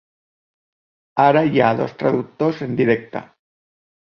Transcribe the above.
Ara hi ha dos traductors en directe.